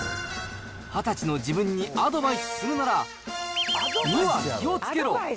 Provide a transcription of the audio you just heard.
２０歳の自分にアドバイスするなら、×××には気をつけろ！